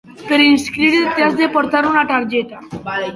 Per inscriure't has de portar una targeta.